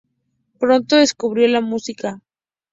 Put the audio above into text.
Pronto descubrió la música.